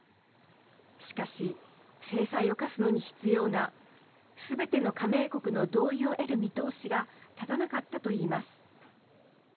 しかし制裁を科すのに必要なすべての加盟国の同意を得る見通しが立たなかったと言います。